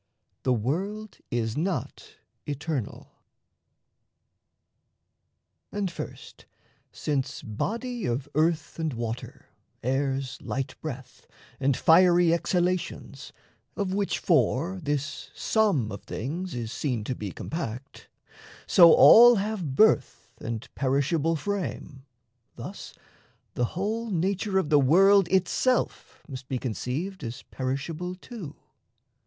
THE WORLD IS NOT ETERNAL And first, Since body of earth and water, air's light breath, And fiery exhalations (of which four This sum of things is seen to be compact) So all have birth and perishable frame, Thus the whole nature of the world itself Must be conceived as perishable too.